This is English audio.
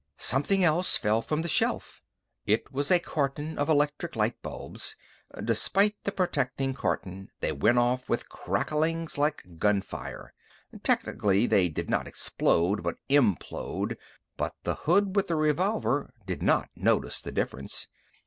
Something else fell from the shelf. It was a carton of electric light bulbs. Despite the protecting carton, they went off with crackings like gunfire. Technically, they did not explode but implode, but the hood with the revolver did not notice the difference.